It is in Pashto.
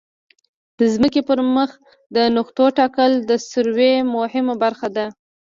د ځمکې پر مخ د نقطو ټاکل د سروې مهمه برخه ده